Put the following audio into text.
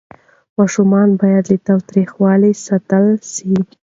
ماشومان باید له تاوتریخوالي ساتل سي.